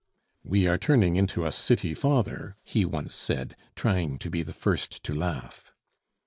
"We are turning into a city father," he once said, trying to be the first to laugh.